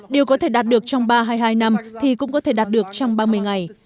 điều có thể đạt được trong ba hay hai năm thì cũng có thể đạt được trong ba mươi ngày